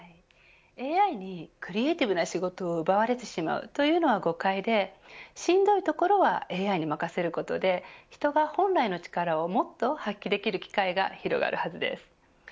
ＡＩにクリエイティブな仕事を奪われてしまうというのは誤解でしんどいところはＡＩに任せることで人が本来の力をもっと発揮できる機会が広がるはずです。